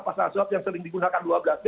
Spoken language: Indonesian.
pasal suap yang sering digunakan dua belas b